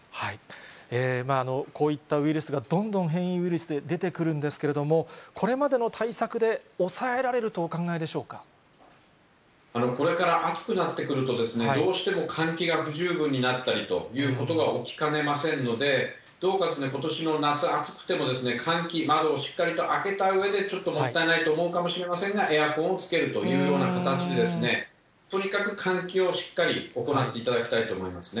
こういったウイルスがどんどん変異ウイルスで出てくるんですけれども、これまでの対策で抑えこれから暑くなってくると、どうしても換気が不十分になったりということが起きかねませんので、どうか、ことしの夏、暑くても、換気、窓をしっかりと開けたうえで、ちょっともったいないと思うかもしれませんが、エアコンをつけるというような形で、とにかく換気をしっかり行っていただきたいと思いますね。